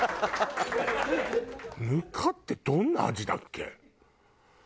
ぬかってどんな味だっけ？